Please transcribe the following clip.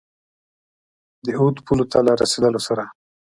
د اود پولو ته له رسېدلو سره.